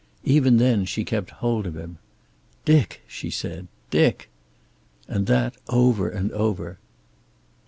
Even then she kept hold of him. "Dick!" she said. "Dick!" And that, over and over.